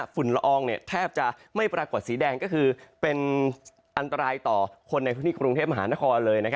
เวลาฝุ่นละอองแทบจะไม่ปรากฎสีแดงก็คือเป็นอันตรายต่อคนในพฤหัสกรุงเทพฯมหานคร